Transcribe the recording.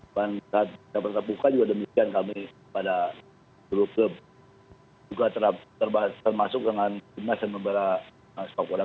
dan saat kita pernah buka juga demikian kami pada grup grup juga termasuk dengan gimnasium membara sepak bola